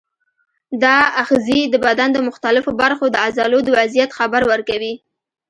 دا آخذې د بدن د مختلفو برخو د عضلو د وضعیت خبر ورکوي.